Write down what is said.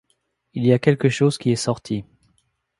Il y a quelque chose qui est sorti !